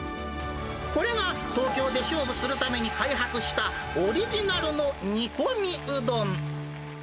これが東京で勝負するために開発したオリジナルの煮込みうどん。